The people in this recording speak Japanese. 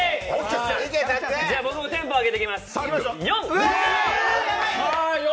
じゃあ、僕もテンポ上げていきます、４！